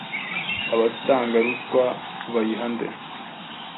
Abatanga ruswa bayiha nde?